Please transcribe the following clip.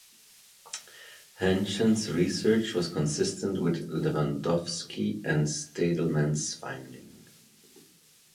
Henshcen's research was consistent with Lewandowsky's and Stadelmann's finding.